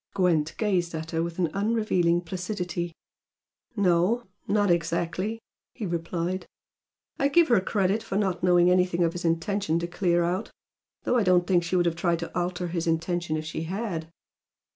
Gwent gazed at her with an unrevealing placidity. "No. Not exactly," he replied "I give her credit for not knowing anything of his intention to clear out. Though I don't think she would have tried to alter his intention if she had."